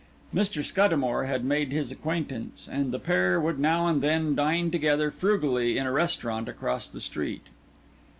Mr. Scuddamore had made his acquaintance, and the pair would now and then dine together frugally in a restaurant across the street.